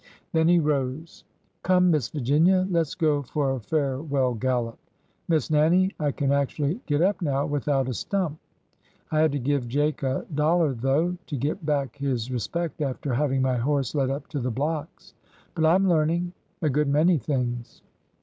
Then he rose. Come, Miss Virginia ; let 's go for a farewell gallop. Miss Nannie, I can actually get up now without a stump. I had to give Jake a dollar, though, to get back his re spect after having my horse led up to the blocks. But I 'm learning— a good many things."